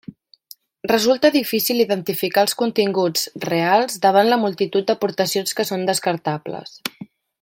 Resulta difícil identificar els continguts reals davant la multitud d'aportacions que són descartables.